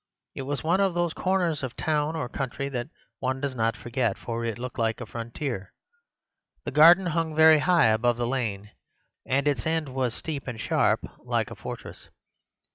It was one of those corners of town or country that one does not forget, for it looked like a frontier. The garden hung very high above the lane, and its end was steep and sharp, like a fortress.